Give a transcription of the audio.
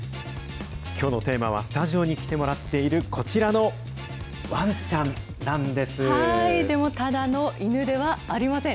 きょうのテーマはスタジオに来てもらっているこちらのワンちゃんでもただの犬ではありません。